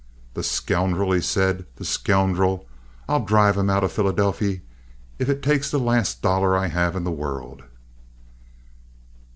"The scoundrel!" he said. "The scoundrel! I'll drive him out of Philadelphy, if it takes the last dollar I have in the world."